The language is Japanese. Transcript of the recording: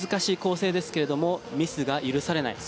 ですから皆さん難しい構成ですがミスが許されない。